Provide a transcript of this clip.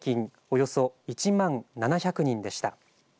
およそ１万７００人でした。